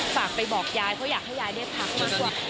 ฝากไปบอกยายเพราะอยากให้ยายได้พักมากกว่า